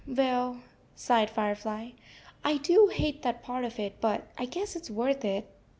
"Well," sighed Firefly, "I do hate that part of it, but I guess it s worth it.